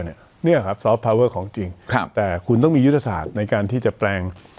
นี่เหรอครับของจริงแต่คุณต้องมียุทธศาสตร์ในการที่จะแปลง